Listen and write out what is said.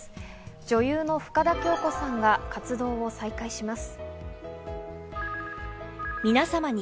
女優の深田恭子さんが活動を再開します。